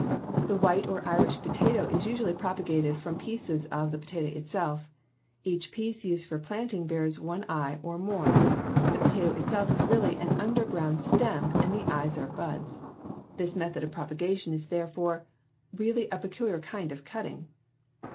The white, or Irish, potato is usually propagated from pieces of the potato itself. Each piece used for planting bears one eye or more. The potato itself is really an underground stem and the eyes are buds. This method of propagation is therefore really a peculiar kind of cutting.